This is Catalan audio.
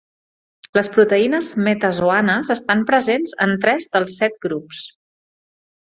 Les proteïnes metazoanes estan presents en tres dels set grups.